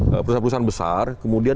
perusahaan perusahaan besar kemudian